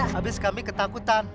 habis kami ketakutan